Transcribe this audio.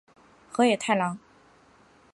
河野太郎。